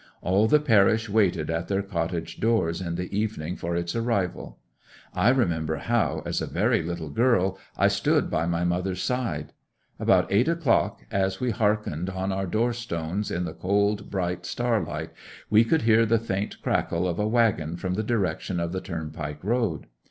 All the parish waited at their cottage doors in the evening for its arrival: I remember how, as a very little girl, I stood by my mother's side. About eight o'clock, as we hearkened on our door stones in the cold bright starlight, we could hear the faint crackle of a waggon from the direction of the turnpike road.